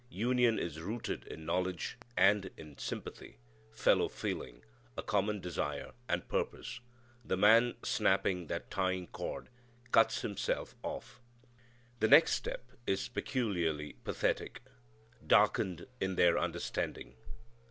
Union is rooted in knowledge and in sympathy, fellow feeling, a common desire and purpose. The man snapping that tying cord cuts himself off. The next step is peculiarly pathetic "darkened in their understanding."